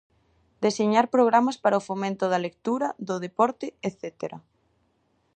Deseñar programas para o fomento da lectura, do deporte etcétera.